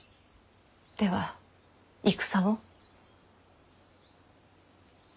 では戦を？